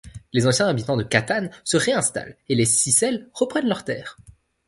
Les anciens habitants de Catane se réinstallent et les Sicèles reprennent leurs terres.